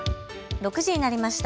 ６時になりました。